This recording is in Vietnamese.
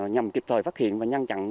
nhằm kịp thời phát hiện và nhăn chặn